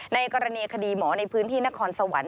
ในกรณีคดีหมอในพื้นที่นครสวรรค